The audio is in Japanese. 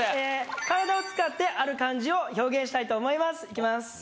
体を使ってある漢字を表現したいと思いますいきます。